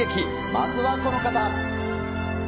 まずはこの方。